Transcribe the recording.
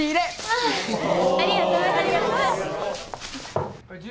ありがとうございます。